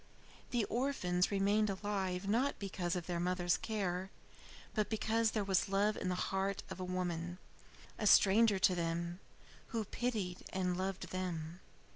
The orphans remained alive not because of their mother's care, but because there was love in the heart of a woman, a stranger to them, who pitied and loved them.